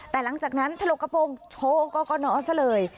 แต่หลังจากนั้นถลกกระโปรงโชว์กรกนซะเลย